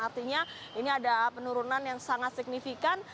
artinya ini ada penurunan yang sangat signifikan